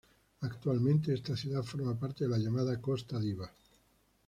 Actualmente esta ciudad forma parte de la llamada "Costa Diva.